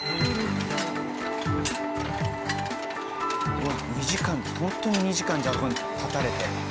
うわっ２時間ってホントに２時間ここに立たれて。